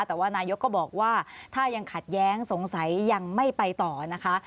แต่ว่านายกก็บอกว่าถ้ายังขัดแย้งสงสัยยังไม่ไปต่อนะคะ